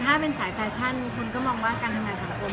ถ้าเป็นสายแฟชั่นคุณก็มองว่าการทำงานสังคม